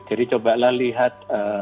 jadi cobalah lihat